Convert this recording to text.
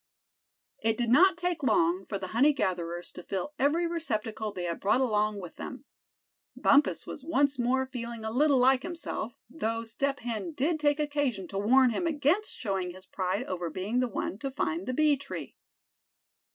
It did not take long for the honey gatherers to fill every receptacle they had brought along with them. Bumpus was once more feeling a little like himself, though Step Hen did take occasion to warn him against showing his pride over being the one to find the bee tree.